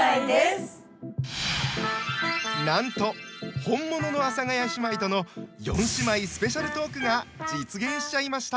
なんと本物の阿佐ヶ谷姉妹との四姉妹スペシャルトークが実現しちゃいました。